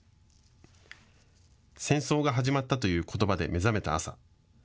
戦争が始まったということばで目覚めた朝。